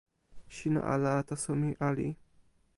sina ala, taso mi ali.